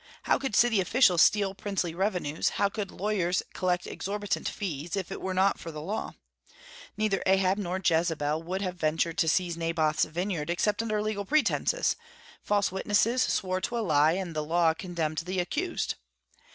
How could city officials steal princely revenues, how could lawyers collect exorbitant fees, if it were not for the law? Neither Ahab nor Jezebel would have ventured to seize Naboth's vineyard except under legal pretences; false witnesses swore to a lie, and the law condemned the accused.